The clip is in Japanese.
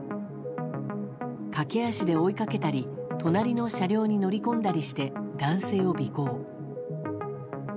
駆け足で追いかけたり隣の車両に乗り込んだりして男性を尾行。